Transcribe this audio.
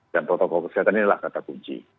dan protokol kesehatan inilah kata kunci